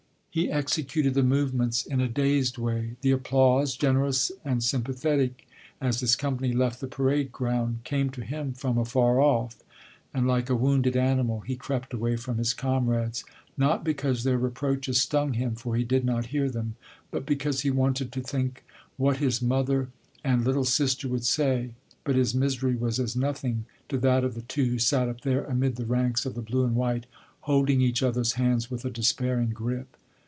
He executed the movements in a dazed way. The applause, generous and sympathetic, as his company left the parade ground, came to him from afar off, and like a wounded animal he crept away from his comrades, not because their reproaches stung him, for he did not hear them, but because he wanted to think what his mother and "little sister" would say, but his misery was as nothing to that of the two who sat up there amid the ranks of the blue and white, holding each other's hands with a despairing grip.